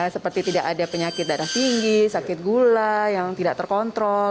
seperti tidak ada penyakit darah tinggi sakit gula yang tidak terkontrol